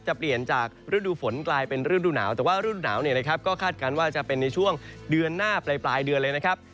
เปลี่ยนจากฤดูฝนกลายเป็นฤดูหนาวแต่ว่ารุ่นหนาวเนี่ยนะครับก็คาดการณ์ว่าจะเป็นในช่วงเดือนหน้าปลายเดือนเลยนะครับ